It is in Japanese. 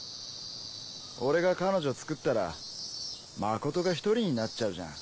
俺が彼女つくったら真琴が１人になっちゃうじゃん。